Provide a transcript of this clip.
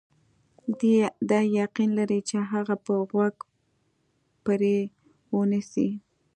دی یقین لري چې هغه به غوږ پرې ونه نیسي.